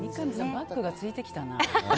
バックがついてきたな。